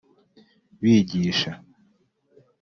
bigisha